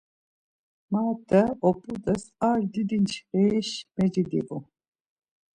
Marte oput̆es ar didi ntxiriş meci divu.